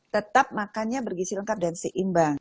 tetap makannya bergisi lengkap dan seimbang